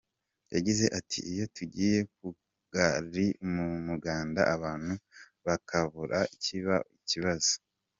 Yagize ati “Iyo tugiye ku kagari mu muganda abantu bakabura kiba ari ikibazo.